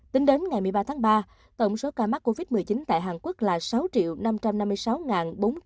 tính đến ngày một mươi ba tháng ba tổng số ca mắc covid một mươi chín tại hàn quốc là sáu năm trăm năm mươi sáu bốn trăm linh ca